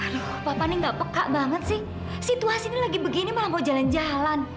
loh papa nih gak peka banget sih situasi ini lagi begini malah mau jalan jalan